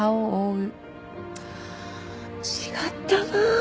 違ったな。